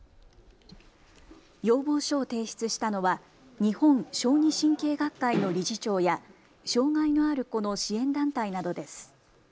要望書を提出したのは日本小児神経学会の理事長や障害のある子の支援団体などです。